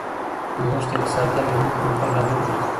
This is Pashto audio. نوښت د اقتصادي او علمي پرمختګ لامل ګرځي.